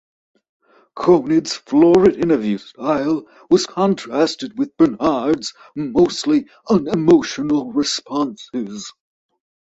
Conan's florid interview style was contrasted with Bernard's mostly unemotional responses.